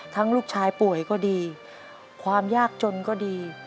ลูกชายป่วยก็ดีความยากจนก็ดี